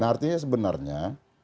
nah artinya sebenarnya